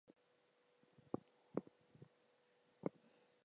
The details of the ritual are preserved in an inscription.